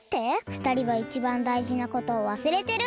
ふたりはいちばんだいじなことをわすれてる。